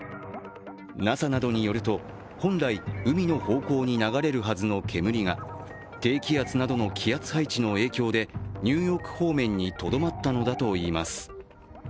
ＮＡＳＡなどによると本来、海の方向に流れるはずの煙が低気圧などの気圧配置の影響で、ニューヨーク方面にとどまったのだといいます。